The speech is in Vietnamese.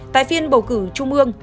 tại phiên bầu cử trung mương